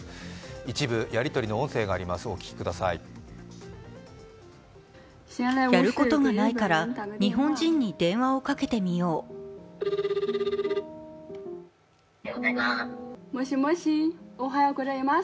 一部やり取りの音声があります。